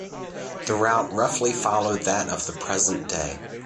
The route roughly followed that of the present day.